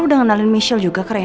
udah kenalin misel juga kerenah